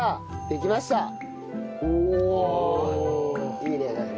いいね。